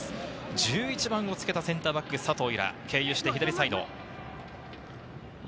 １１番をつけたセンターバック・佐藤由空、経由して左サイド。